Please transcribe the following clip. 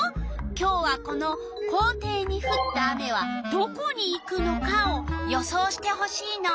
今日はこの「校庭にふった雨はどこにいくのか？」を予想してほしいの。